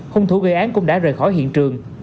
hung thủ gây án cũng đã rời khỏi hiện trường